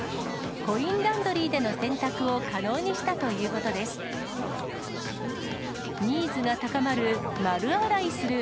コインランドリーでの洗濯を可能にしたということです。